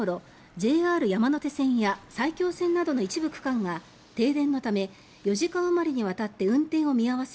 ＪＲ山手線や埼京線などの一部区間が停電のため４時間あまりにわたって運転を見合わせ